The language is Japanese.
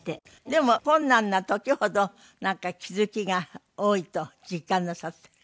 でも困難な時ほどなんか気付きが多いと実感なさってる？